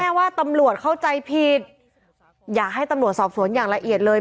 ว่าตำรวจเข้าใจผิดอยากให้ตำรวจสอบสวนอย่างละเอียดเลย